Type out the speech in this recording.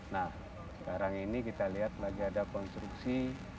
nah sekarang ini kita lihat lagi ada konstruksi